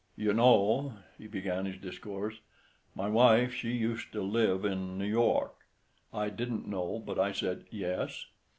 "You know," he began his discourse, "my wife she uset to live in N' York!" I didn't know, but I said "Yes."